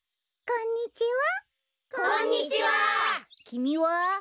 こんにちは。